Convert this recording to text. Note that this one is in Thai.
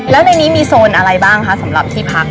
แล้วในนี้มีโซนอะไรบ้างคะสำหรับที่พัก